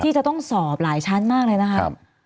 จะต้องสอบหลายชั้นมากเลยนะครับ